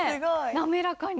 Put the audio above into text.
滑らかに。